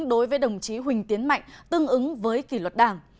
đối với đồng chí huỳnh tiến mạnh tương ứng với kỷ luật đảng